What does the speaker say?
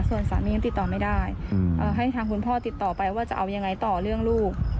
ส่วนสามียังติดต่อไม่ได้ให้ทางคุณพ่อติดต่อไปว่าจะเอายังไงต่อเรื่องลูก